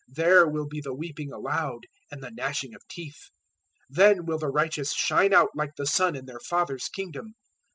There will be the weeping aloud and the gnashing of teeth. 013:043 Then will the righteous shine out like the sun in their Father's Kingdom.